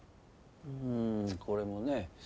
うーんこれもね